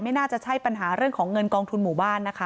น่าจะใช่ปัญหาเรื่องของเงินกองทุนหมู่บ้านนะคะ